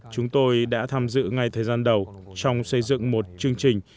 chúng tôi đã tham dự ngay thời gian đầu trong xây dựng một chương trình